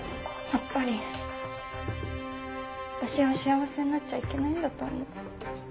やっぱり私は幸せになっちゃいけないんだと思う。